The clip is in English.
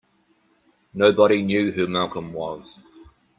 Nobody knew who Malcolm was.